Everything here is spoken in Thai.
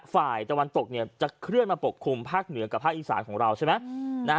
ฝ่ายตะวันตกจะเคลื่อนมาปกคลุมภาคเหนือกับภาคอีสานของเราใช่ไหม